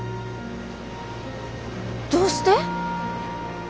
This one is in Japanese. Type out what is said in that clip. どうして？